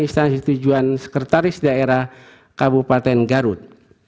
instansi tujuan sekretaris daerah kabupaten garut